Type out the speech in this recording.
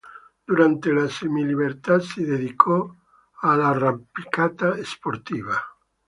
Durante la semilibertà si dedicò all'arrampicata sportiva.